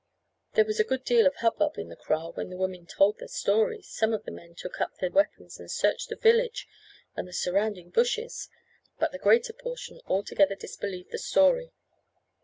There was a good deal of hubbub in the kraal when the women told their story; some of the men took up their weapons and searched the village and the surrounding bushes, but the greater portion altogether disbelieved the story.